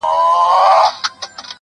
• په څو څو ځله تېر سوم ,